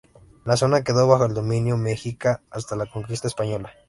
La zona quedó bajo el dominio Mexica hasta la Conquista Española.